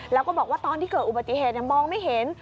แล้วก็บอกว่าตอนที่เกิดอุบัติเหตุมองไม่เห็น